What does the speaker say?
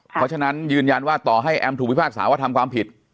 เพราะฉะนั้นยืนยันว่าต่อให้แอมถูกพิพากษาว่าทำความผิด